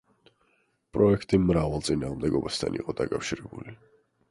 პროექტი მრავალ წინააღმდეგობასთან იყო დაკავშირებული.